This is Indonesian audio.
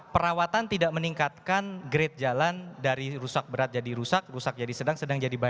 perawatan tidak meningkatkan grade jalan dari rusak berat jadi rusak rusak jadi sedang sedang jadi berat